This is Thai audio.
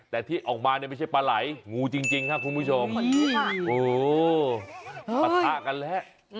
แต่ที่ออกมาไม่ใช่ปลาไหลงูจริงค่ะคุณผู้ชมโอ้ปะท้ากันแล้ว